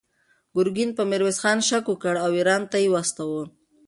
ګورګین پر میرویس خان شک وکړ او ایران ته یې واستاوه.